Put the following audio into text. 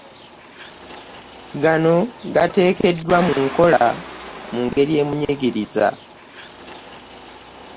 Gano gateekeddwa mu nkola mu ngeri emunyigiriza